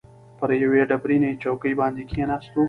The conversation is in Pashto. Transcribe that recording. پر یوې ډبرینې چوکۍ باندې کښېناستو.